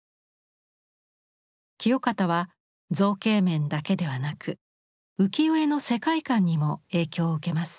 清方は造形面だけではなく浮世絵の世界観にも影響を受けます。